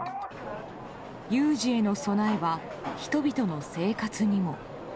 有事への備えは人々の生活にも。